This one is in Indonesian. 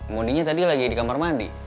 muninya tadi lagi di kamar mandi